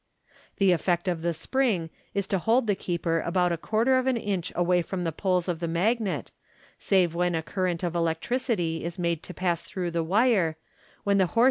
The effect of the spring is to hold the keeper about a quai ter of an inch away from the poles of the magnet, save when a current of electricity is made to pass through the wire, when the hors* 486 MODERN MAGIC.